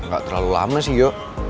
gak terlalu lama sih yo